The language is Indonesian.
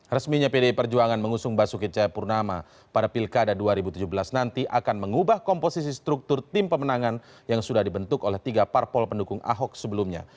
resminya pdi perjuangan mengusung basuki cahayapurnama pada pilkada dua ribu tujuh belas nanti akan mengubah komposisi struktur tim pemenangan yang sudah dibentuk oleh tiga parpol pendukung ahok sebelumnya